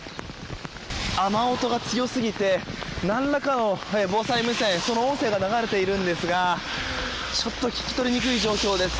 雨音が強すぎて何らかの防災無線その音声が流れているんですがちょっと聞き取りにくい状況です。